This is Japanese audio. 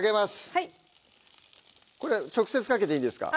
はいこれ直接かけていいんですか？